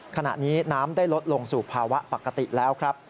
ขณะนี้น้ำได้ลดลงสู่ภาวะปกติแล้วครับ